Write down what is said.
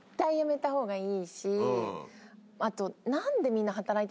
あと。